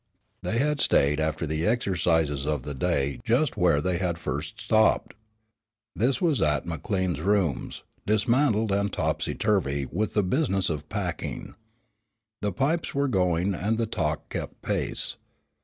They had stayed after the exercises of the day just where they had first stopped. This was at McLean's rooms, dismantled and topsy turvy with the business of packing. The pipes were going and the talk kept pace.